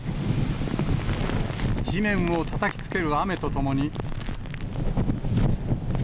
地面をたたきつける雨とともに。